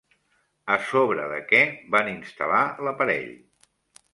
A sobre de què van instal·lar l'aparell?